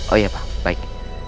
oh iya pak baik